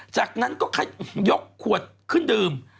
จากนั้นก็ยกขวดขึ้นดื่ม